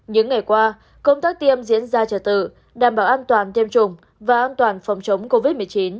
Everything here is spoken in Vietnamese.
những ngày qua công tác tiêm diễn ra trở tự đảm bảo an toàn tiêm chủng và an toàn phòng chống covid một mươi chín